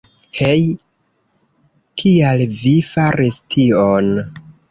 Hej, kial vi faris tion?